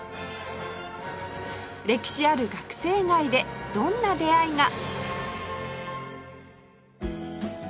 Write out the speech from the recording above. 歴史ある学生街でどんな出会いが？